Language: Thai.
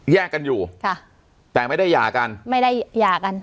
แยกกันอยู่ค่ะแต่ไม่ได้หย่ากันไม่ได้หย่ากัน